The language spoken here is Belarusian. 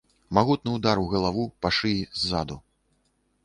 Магутны ўдар у галаву, па шыі ззаду.